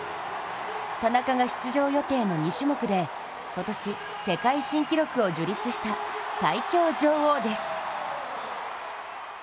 田中が出場予定の２種目で今年、世界新記録を樹立した最強女王です。